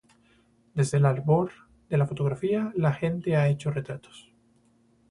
Desde el albor de la fotografía la gente ha hecho retratos.